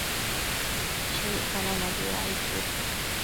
Shëccananobi aidbëd